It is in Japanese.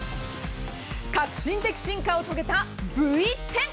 革新的進化を遂げたＶ１０。